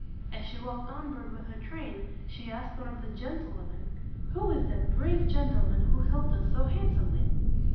As she walked onward with her train, she asked one of the gen tle wom en, "Who is that brave gen tle man who helped us so handsomely?"